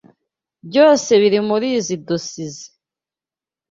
Byose biri murizoi dosizoe.